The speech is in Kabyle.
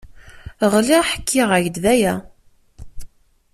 Ɣileɣ ḥkiɣ-ak-d aya.